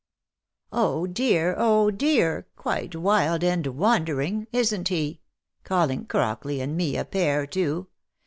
" Oh, dear! oh, dear! quite wild and wandering! Isn't he? — Calling Crockley and me a pair too